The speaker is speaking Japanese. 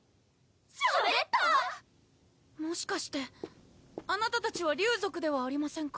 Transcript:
しゃべった⁉もしかしてあなたたちは竜族ではありませんか？